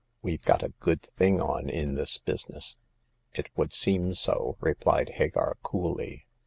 WeVe got a good thing on in this business." " It would seem so/* replied Hagar, coolly.